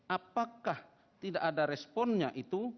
apakah tidak ada responnya itu